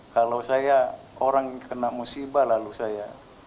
kalau saya orang yang kena musibah lalu saya